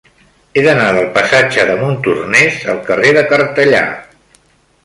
He d'anar del passatge de Montornès al carrer de Cartellà.